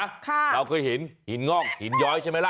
ค่ะค่ะแล้วก็หินเห็นหินงอกหินย้อยใช่ไหมล่ะ